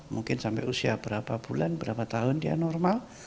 mungkin sampai usia berapa bulan berapa tahun dia normal